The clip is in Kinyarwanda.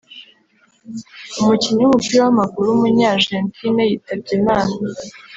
umukinnyi w’umupira w’amaguru w’umunyargentine yitabye Imana